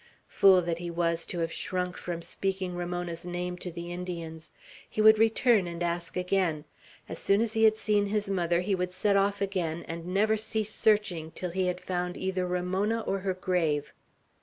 Fool that he was, to have shrunk from speaking Ramona's name to the Indians! He would return, and ask again. As soon as he had seen his mother, he would set off again, and never cease searching till he had found either Ramona or her grave.